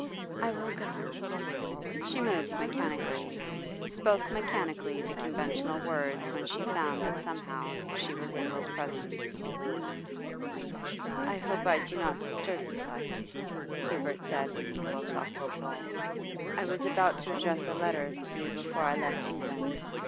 'I will go.' She moved mechanically, spoke mechanically the conventional words when she found that somehow she was in his presence. 'I hope I do not disturb you,' Hubert said with equal self control. 'I was about to address a letter to you before I left England.